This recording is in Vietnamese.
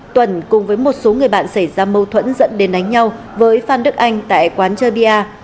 tuần cùng với một số người bạn xảy ra mâu thuẫn dẫn đến đánh nhau với phan đức anh tại quán chơi bia